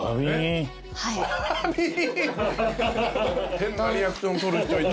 変なリアクション取る人いた。